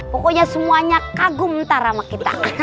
pokoknya semuanya kagum ntar sama kita